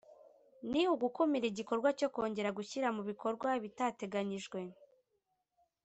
Ni ugukumira igikorwa cyo kongera gushyira mu bikorwa ibitateganyijwe